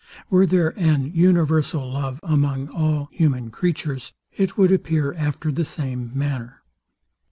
Were there an universal love among all human creatures, it would appear after the same manner.